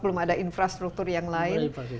belum ada infrastruktur yang lain